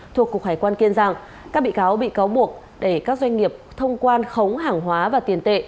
thuộc cục hải quan kiên giang các bị cáo bị cáo buộc để các doanh nghiệp thông quan khống hàng hóa và tiền tệ